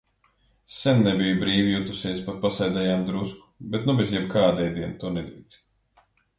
Sen nebiju brīvi jutusies, pat pasēdējām drusku, bet nu bez jebkāda ēdiena, to nedrīkst.